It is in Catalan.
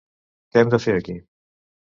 Què hem de fer aquí?